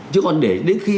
chứ còn để đến khi